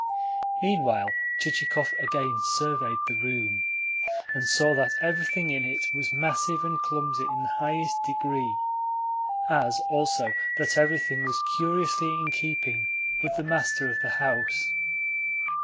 Meanwhile Chichikov again surveyed the room, and saw that everything in it was massive and clumsy in the highest degree; as also that everything was curiously in keeping with the master of the house.